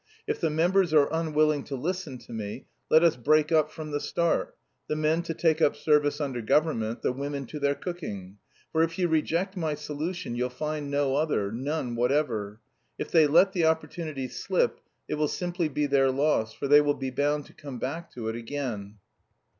If the members are unwilling to listen to me, let us break up from the start the men to take up service under government, the women to their cooking; for if you reject my solution you'll find no other, none whatever! If they let the opportunity slip, it will simply be their loss, for they will be bound to come back to it again."